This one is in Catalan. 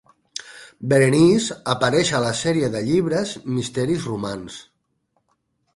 Berenice apareix a la sèrie de llibres Misteris Romans.